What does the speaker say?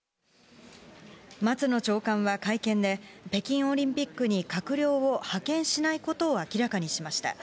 松野長官は会見で、北京オリンピックに閣僚を派遣しないことを明らかにしました。